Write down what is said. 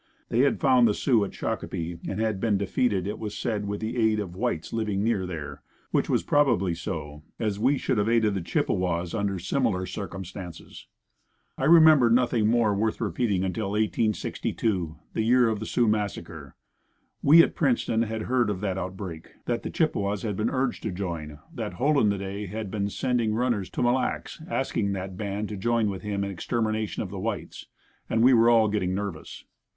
They had found the Sioux at Shakopee and had been defeated, it was said with the aid of the whites living near there, which was probably so, as we should have aided the Chippewas under similar circumstances. I remember nothing more worth repeating until 1862, the year of the Sioux massacre. We, at Princeton, had heard of that outbreak, that the Chippewas had been urged to join, that "Hole in the day" had been sending runners to Mille Lacs asking that band to join with him in extermination of the whites, and we were all getting nervous.